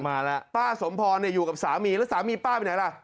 มาแล้วป้าสมพรอยู่กับสามีแล้วสามีป้าไปไหนล่ะ